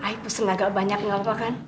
ayah pesan agak banyak gak apa apa kan